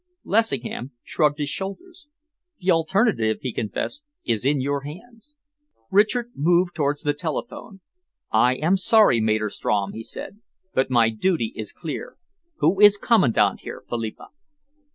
Lessingham shrugged his shoulders. "The alternative," he confessed, "is in your hands." Richard moved towards the telephone. "I am sorry, Maderstrom," he said, "but my duty is clear. Who is Commandant here, Philippa?"